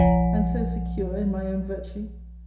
And so secure in my own virtue!